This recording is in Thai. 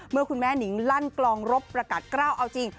เมื่อคุณแม่นิงลั่นกลองรบประกาศกล้าวเอาจริง